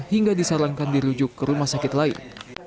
hingga disarankan dirujuk ke rumah sakit lain